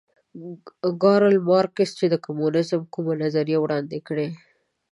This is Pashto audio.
کارل مارکس چې د کمونیزم کومه نظریه وړاندې کړې